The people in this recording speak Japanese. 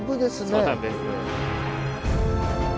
そうなんです。